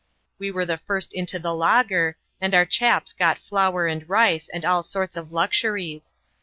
We were the first into the laager, and our chaps got flour and rice, and all sorts of luxuries.